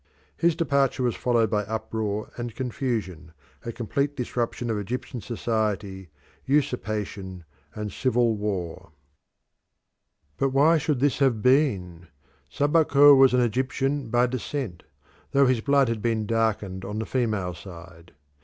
His departure was followed by uproar and confusion, a complete disruption of Egyptian society, usurpation, and civil war. But why should this have been? Sabaco was an Egyptian by descent, though his blood had been darkened on the female side.